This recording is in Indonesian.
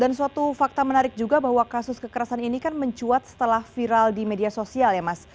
dan suatu fakta menarik juga bahwa kasus kekerasan ini kan mencuat setelah viral di media sosial ya mas